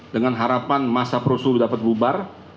dengan harapan masa perusuh dapat bubar